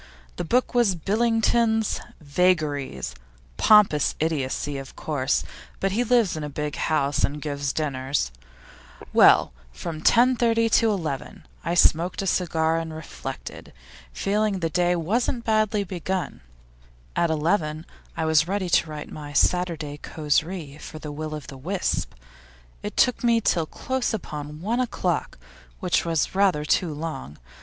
The book was Billington's "Vagaries"; pompous idiocy, of course, but he lives in a big house and gives dinners. Well, from 10.30 to 11, I smoked a cigar and reflected, feeling that the day wasn't badly begun. At eleven I was ready to write my Saturday causerie for the Will o' the Wisp; it took me till close upon one o'clock, which was rather too long.